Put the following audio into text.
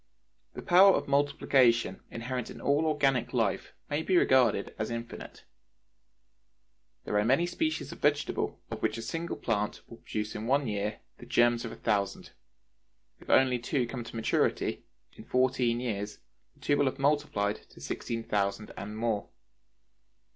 The power of multiplication inherent in all organic life may be regarded as infinite. There are many species of vegetables of which a single plant will produce in one year the germs of a thousand; if only two come to maturity, in fourteen years the two will have multiplied to sixteen thousand and more.